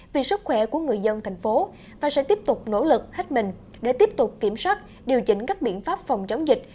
vì sức khỏe của người dân thành phố và sẽ tiếp tục nỗ lực hết mình để tiếp tục kiểm soát điều chỉnh các biện pháp phòng chống dịch